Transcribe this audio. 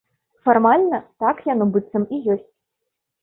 Фармальна так яно, быццам, і ёсць.